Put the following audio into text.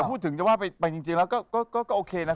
พูดถึงจะว่าไปจริงแล้วก็โอเคนะ